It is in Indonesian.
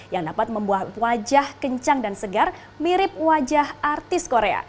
yang dapat membuat wajah kencang dan segar mirip wajah artis korea